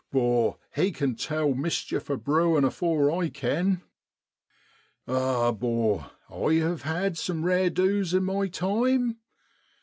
'Bor, he can tell mischief a brewin' afore I can. ( Ah, 'bor, I hev had some rare du's in my time.